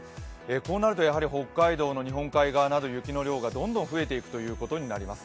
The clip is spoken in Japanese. こうなると北海道の日本海側など雪の量がどんどん増えていくことになります。